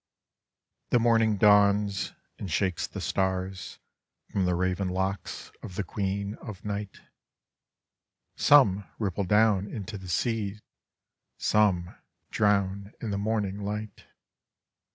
The morning dawns, and shakes the stars Jrom the raven locks of the queen of night, Some ripple down into the sea, Some drown in the morning light.